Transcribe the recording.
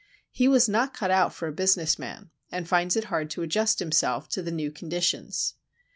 He was not cut out for a business man and finds it hard to adjust himself to the new conditions.